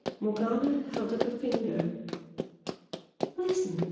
Morgana held up a finger. "Listen!"